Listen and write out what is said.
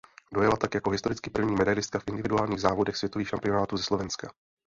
Dojela tak jako historicky první medailistka v individuálních závodech světových šampionátů ze Slovenska.